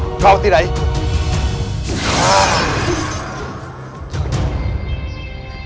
kalau tidak ikut